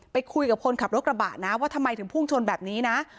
ไปคุยกับคนขับรถกระบะนะว่าทำไมถึงพุ่งชนแบบนี้นะ